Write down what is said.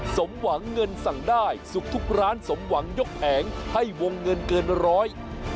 สมหวังเงินสั่งได้สุขทุกร้านสมหวังยกแผงให้วงเงินเกินร้อย